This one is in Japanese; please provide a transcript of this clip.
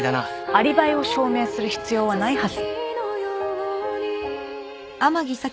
アリバイを証明する必要はないはず。